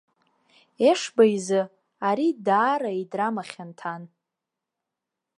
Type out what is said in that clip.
Ешба изы ари даара идрама хьанҭан.